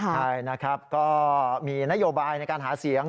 ใช่นะครับก็มีนโยบายในการหาเสียง